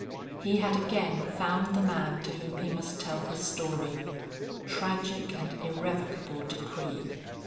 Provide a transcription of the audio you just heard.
He had again found the man to whom he must tell his story. Tragic and irrevocable decree!